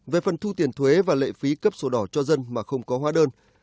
về phần thu tiền thuế và lệ phí cấp sổ đỏ cho dân mà không có hóa đơn